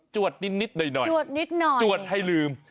จวดนิดหน่อยจวดให้ลืม